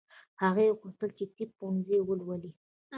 هغې غوښتل چې طب پوهنځی ولولي